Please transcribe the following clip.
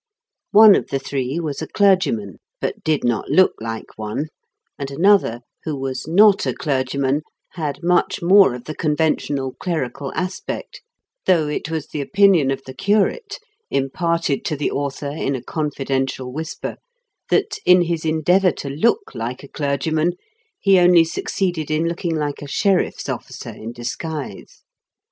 One of the three was a clergyman, but did not B 2 IN KENT WITH CHABLE8 DIOKENS. look like one, and another, who was not a clergyman, had much more of the conventional clerical aspect, though it was the opinion of the curate, imparted to the author in a confidential whisper, that, in his endeavour to look like a clergyman he only succeeded in looking like a sheriff's officer in disguise.